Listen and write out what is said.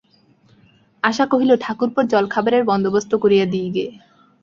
আশা কহিল, ঠাকুরপোর জলখাবারের বন্দোবস্ত করিয়া দিই গে।